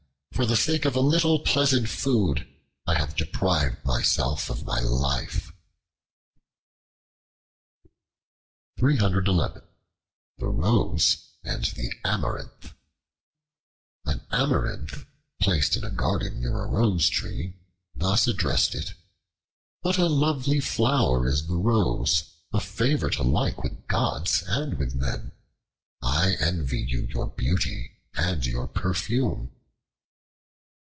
For the sake of a little pleasant food I have deprived myself of my life." The Rose and the Amaranth AN AMARANTH planted in a garden near a Rose Tree, thus addressed it: "What a lovely flower is the Rose, a favorite alike with Gods and with men. I envy you your beauty and your perfume."